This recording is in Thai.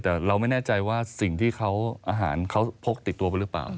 แต่เราไม่แน่ใจว่าสิ่งที่เขาอาหารเขาพกติดตัวไปหรือเปล่า